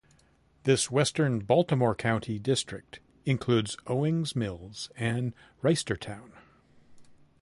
This western Baltimore County district includes Owings Mills and Reisterstown.